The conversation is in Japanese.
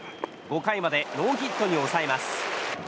５回までノーヒットに抑えます。